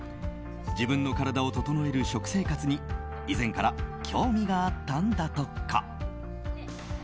自分の体を整える食生活に以前から興味があったんだとか。